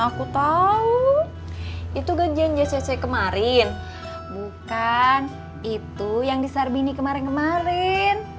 aku tahu itu ganjian jcc kemarin bukan itu yang disarbini kemarin kemarin